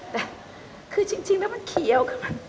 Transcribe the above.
แต่คือจริงแล้วมันเขียว